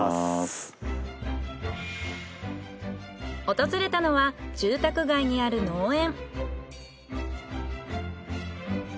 訪れたのは住宅街にある農園。